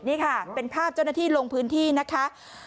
นี่ค่ะเป็นภาพเจ้าหน้าที่ลงพื้นที่นะคะ